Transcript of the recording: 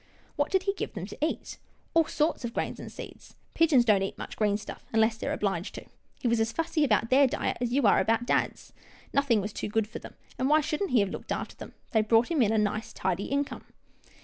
" What did he give them to eat ?" All sorts of grain and seeds. Pigeons don't eat much green stuff, unless they're obliged to. He was as fussy about their diet as you are about dad's. Nothing was too good for them, and why shouldn't he have looked after them? They brought him in a nice, tidy income."